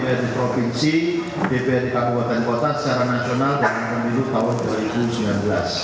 kota dpr dpd dpr di provinsi dpr di kabupaten kota secara nasional dalam tahun dua ribu sembilan belas